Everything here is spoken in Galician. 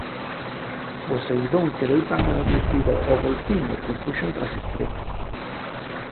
Poseidón quedou tan agradecido ó golfiño que o puxo entre as estrelas.